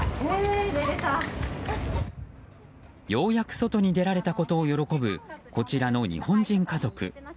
ようやく外に出られたことを喜ぶこちらの日本人家族。